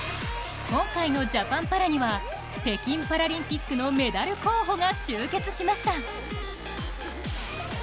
今回のジャパンパラには北京パラリンピックのメダル候補が集結しました。